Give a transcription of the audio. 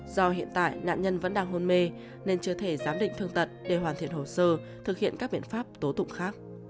do hiện tại nạn nhân vẫn đang hôn mê nên chưa thể giám định thương tật để hoàn thiện hồ sơ thực hiện các biện pháp tố tụng khác